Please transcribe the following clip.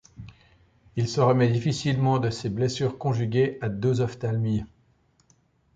Il se remet difficilement de ses blessures conjuguées à deux ophtalmies.